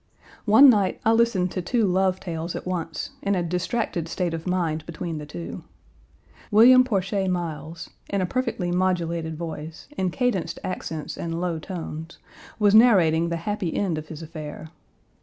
One night I listened to two love tales at once, in a distracted state of mind between the two. William Porcher Miles, in a perfectly modulated voice, in cadenced accents and low tones, was narrating the happy end of his affair.